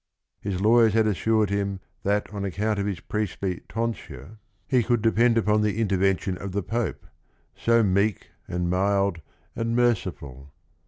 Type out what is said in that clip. His lawyers had assured him that on account of his "priestly tonsure" he could depend upon GUIDO 175 the intervention of the Pope, "so meek and mild and merciful."